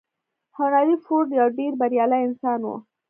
هنري فورډ يو ډېر بريالی انسان و.